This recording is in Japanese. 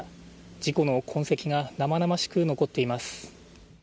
事故の痕跡がなまなましく残っています。